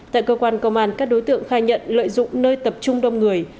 tại cơ quan công an các đối tượng khai nhận lợi dụng nơi tập trung đông người